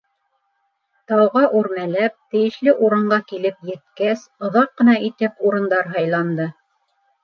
Тауға үрмәләп, тейешле урынға килеп еткәс, оҙаҡ ҡына итеп урындар һайланды.